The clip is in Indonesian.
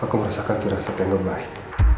aku merasakan firasat yang gak baik